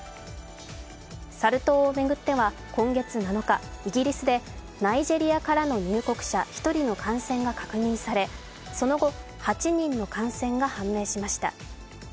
サル痘を巡っては今月７日、イギリスでナイジェリアからの入国者１人の感染が確認されその後、８人の感染が判明しました。